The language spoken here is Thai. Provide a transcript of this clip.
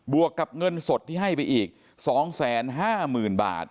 วกกับเงินสดที่ให้ไปอีก๒๕๐๐๐๐บาท